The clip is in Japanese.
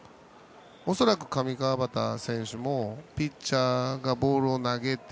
恐らく上川畑選手もピッチャーがボールを投げて。